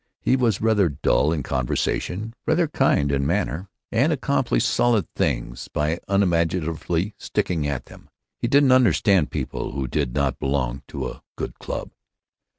He was rather dull in conversation, rather kind in manner, and accomplished solid things by unimaginatively sticking at them. He didn't understand people who did not belong to a good club.